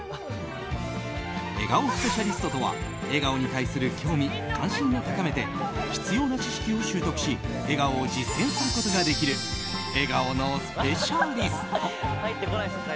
笑顔スペシャリストとは笑顔に対する興味、関心を高めて必要な知識を習得し笑顔を実践することができる笑顔のスペシャリスト。